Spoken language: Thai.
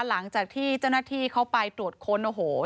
หลังจากที่เจ้าหน้าที่เข้าไปตรวจค้นโอ้โห